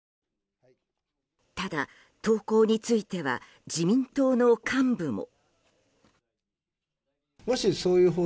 ただ、投稿については自民党の幹部も。